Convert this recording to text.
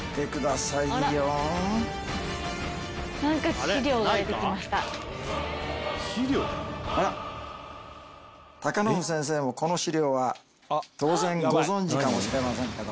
実はある信先生もこの資料は当然ご存じかもしれませんけども。